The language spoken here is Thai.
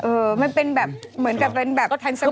เหมือนเป็นแบบพันธุ์สมัย